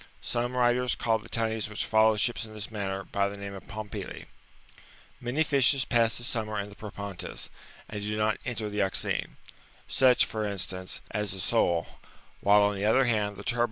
Some Avriters call the tunnies which follow ships in this manner, by the name of ''pompili."^'* Many fishes pass the summer in the Propontis, and do not enter the Euxine ; such, for instance, as the sole,°^ while on 51 Called " chrysoceras," in B.